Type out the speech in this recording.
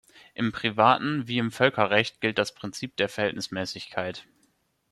Im Privaten wie im Völkerrecht gilt das Prinzip der Verhältnismäßigkeit.